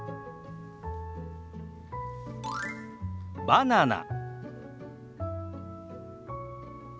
「バナナ」。